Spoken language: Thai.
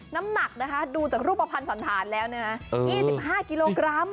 น้ำหนักนะคะดูจากรูปภัณฑ์สันธารแล้วนะฮะ๒๕กิโลกรัม